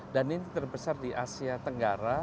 dan ini terbesar di asia tenggara